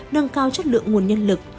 nâng cao chất lượng nguồn nhân lực